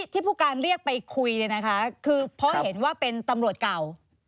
ผู้การเรียกไปคุยเนี่ยนะคะคือเพราะเห็นว่าเป็นตำรวจเก่า